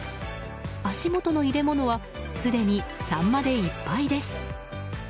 足元の入れ物はすでにサンマでいっぱいです。